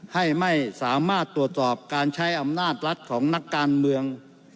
ให้ไม่สามารถตรวจสอบการใช้อำนาจรัฐของนักการเมือง